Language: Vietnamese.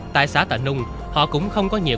tại xã tà nung họ cũng không có nhiệm vụ